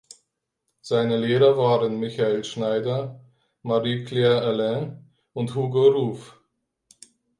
Seine Lehrer waren Michael Schneider, Marie-Claire Alain und Hugo Ruf.